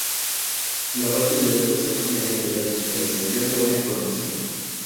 La base de datos se usa mediante la digitalización de una información.